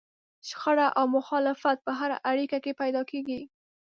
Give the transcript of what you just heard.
شخړه او مخالفت په هره اړيکه کې پيدا کېږي.